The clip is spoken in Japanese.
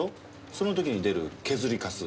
その時に出る削りかす。